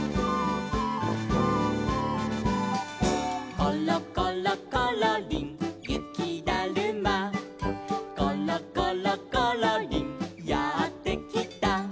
「ころころころりんゆきだるま」「ころころころりんやってきた」